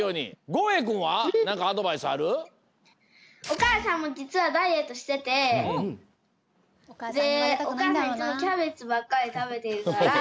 お母さんもじつはダイエットしててでお母さんいつもキャベツばっかりたべているから。